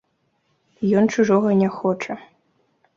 Ён чужога не хоча.